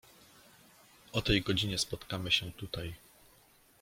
"O tej godzinie spotkamy się tutaj."